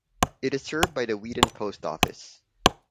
It is served by the Wheaton Post Office.